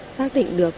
xác định được